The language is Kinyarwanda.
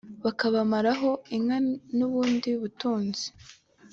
bakabamaraho inka n’ubundi butunzi